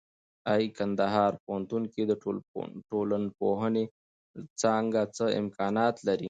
اې کندهار پوهنتون کې د ټولنپوهنې څانګه څه امکانات لري؟